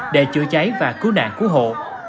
để chữa cháy và cứu nạn cứu hộ